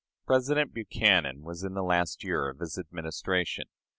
President Buchanan was in the last year of his administration.